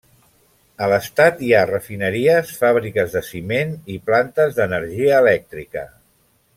A l'estat hi ha refineries, fàbriques de ciment i plantes d'energia elèctrica.